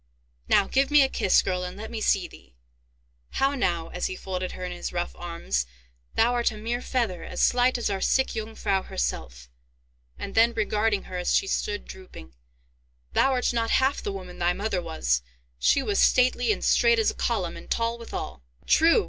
Now, give me a kiss, girl, and let me see thee! How now!" as he folded her in his rough arms; "thou art a mere feather, as slight as our sick Jungfrau herself." And then, regarding her, as she stood drooping, "Thou art not half the woman thy mother was—she was stately and straight as a column, and tall withal." "True!"